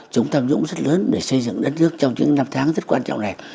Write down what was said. chống tham nhũng rất lớn để xây dựng đất nước trong những năm tháng rất quan trọng này